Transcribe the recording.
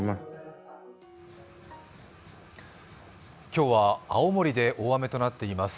今日は青森で大雨となっています。